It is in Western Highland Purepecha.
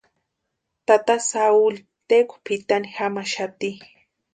Tata Sauli tékwa pʼitani jamaxati.